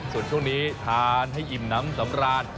ส่วนช่วงนี้ทานให้อิ่มน้ำสำราญ